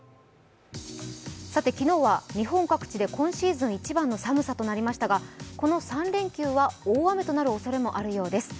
昨日は日本各地で今シーズン一番の寒さとなりましたがこの３連休は大雨となるおそれもあるようです。